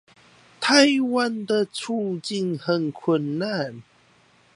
臺灣的處境很困難